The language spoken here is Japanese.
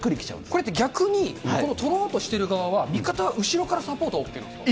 これって逆に、取ろうとしてる側は味方が後ろからサポートがＯＫなんですか？